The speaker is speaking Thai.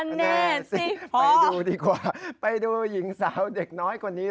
แน่สิไปดูดีกว่าไปดูหญิงสาวเด็กน้อยคนนี้